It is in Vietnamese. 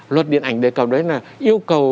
luật điện ảnh đề cập đấy là yêu cầu